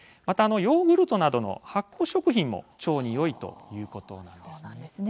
またヨーグルトなどの発酵食品も腸によいということです。